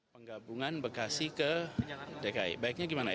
penggabungan bekasi ke dki baiknya gimana ya